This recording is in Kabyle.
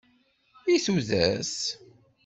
I tudert!